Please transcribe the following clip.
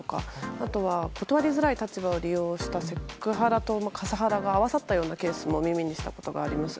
あとは断りづらい立場を利用したセクハラとカスハラが合わさったようなケースも耳にしたことがあります。